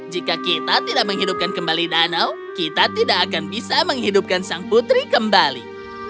jika kita tidak menghidupkan kembali danau kita tidak akan bisa menghidupkan sang putri kembali